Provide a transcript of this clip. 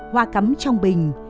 hoa cắm trong bình